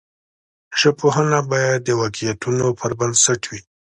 ژبپوهنه باید د واقعیتونو پر بنسټ وي.